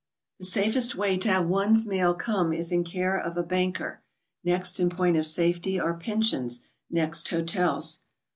The safest way to have one's mail come is in care of a banker; next in point of safety are pensions; next, hotels.